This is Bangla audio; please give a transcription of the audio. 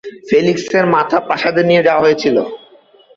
ফেলিক্সের মাথা প্রাসাদে নিয়ে যাওয়া হয়েছিল।